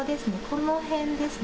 この辺です。